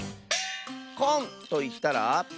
「こん」といったら？